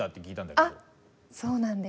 あっそうなんです！